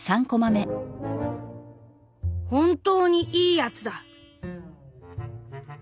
「本当に『いいやつ』だ」。